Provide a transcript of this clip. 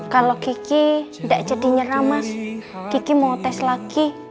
kalau kiki gak jadi nyerah mas kiki mau tes lagi